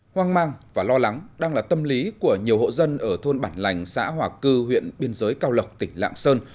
hoang mang và lo lắng đang là tâm lý của nhiều hộ dân ở thôn bản lành xã hòa cư huyện biên giới cao lộc tỉnh lạng sơn